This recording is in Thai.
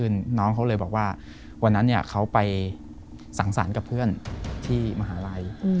คือน้องเขาเลยบอกว่าวันนั้นเขาไปสั่งสรรค์กับเพื่อนที่มหาลัย